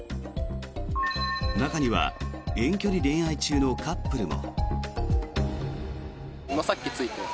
中には遠距離恋愛中のカップルも。